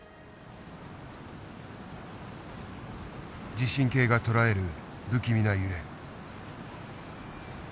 地震計が捉える不気味な揺れ。